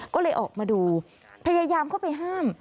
ก็เลยออกมาดูพยายามเข้าไปห้าม